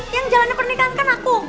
yang jalannya pernikahankan aku